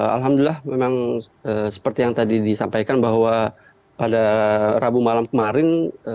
alhamdulillah memang seperti yang tadi disampaikan bahwa pada rabu malam kemarin